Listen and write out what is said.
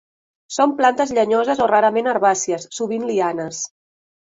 Són plantes llenyoses o rarament herbàcies, sovint lianes.